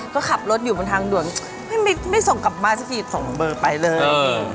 ก็ขับรถอยู่บนทางด่วนไม่ส่งกลับมาสักทีส่งเบอร์ไปเลย